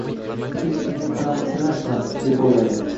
hech kimga qaram emasman”, deb o‘ylaydi.